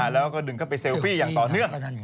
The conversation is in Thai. แล้วก็ดึงเข้าไปเซลฟี่อย่างต่อเนื่อง